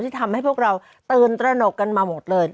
ทำให้พวกเราตื่นตระหนกกันมาหมดเลย